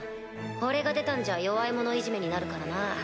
俺が出たんじゃ弱い者いじめになるからな。